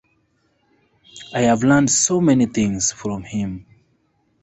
I have learned so many things from him.